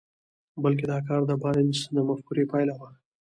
بلکې دا کار د بارنس د مفکورې پايله وه.